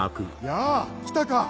やぁ来たか！